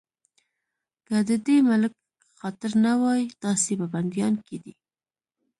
که د دې ملک خاطر نه وای، تاسې به بنديان کېدئ.